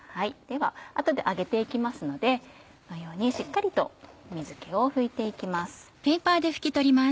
後で揚げて行きますのでこのようにしっかりと水気を拭いて行きます。